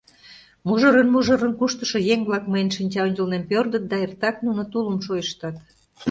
Мужырын-мужырын куштышо еҥ-влак мыйын шинча ончылнем пӧрдыт да эртак нуно тулым шойыштат.